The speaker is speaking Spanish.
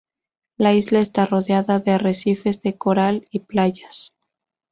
La isla está rodeada de arrecifes de coral y playas.